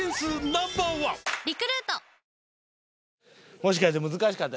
もしかして難しかった？